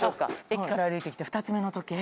駅から歩いてきて２つ目の時計。